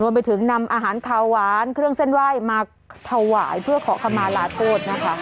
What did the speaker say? ไปถึงนำอาหารขาวหวานเครื่องเส้นไหว้มาถวายเพื่อขอคำมาลาโทษนะคะ